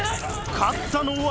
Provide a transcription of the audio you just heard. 勝ったのは？